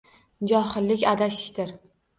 Johillik adashishdir.